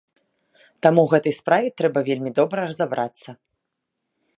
Таму ў гэтай справе трэба вельмі добра разабрацца.